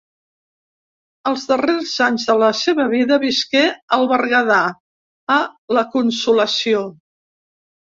Els darrers anys de la seva vida visqué al Berguedà, a La Consolació.